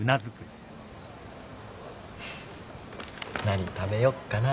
何食べよっかな。